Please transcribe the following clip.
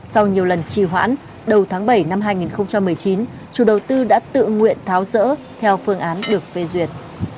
sau nhiều lần trì hoãn đầu tháng bảy năm hai nghìn một mươi chín chủ đầu tư đã tự nguyện tháo rỡ theo phương án được phê duyệt